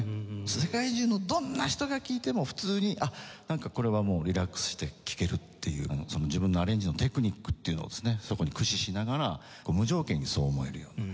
世界中のどんな人が聴いても普通に「あっなんかこれはリラックスして聴ける」っていう自分のアレンジのテクニックっていうのをですねそこに駆使しながら無条件にそう思えるような。